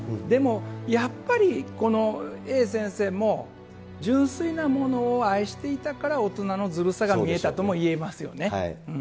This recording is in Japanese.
でも、やっぱりこのＡ先生も、純粋なものを愛していたから大人のずるさが見えたともいえますよ